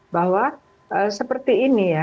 bahwa seperti ini ya